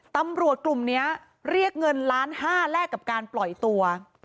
ตำรวจกลุ่มนี้เรียกเงินล้านห้าแลกกับการปล่อยตัว